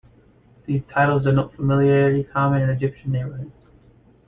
These titles denote familiarity common in Egyptian neighborhoods.